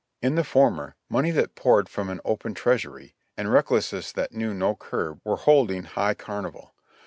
In the former, money that poured from an open Treasury — and recklessness that knew no curb, were holding high carnival.